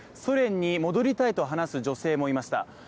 ソ連に戻りたいと話す女性もいました。